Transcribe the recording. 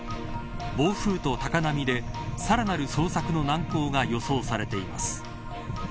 暴風と高波でさらなる捜索の難航が予想されています。